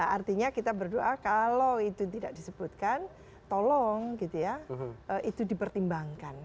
artinya kita berdoa kalau itu tidak disebutkan tolong gitu ya itu dipertimbangkan